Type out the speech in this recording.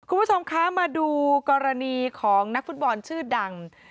คุณผู้ชมคะมาดูกรณีของนักฟุตบอลชื่อดัง